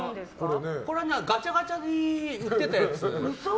ガチャガチャに売ってたやつ。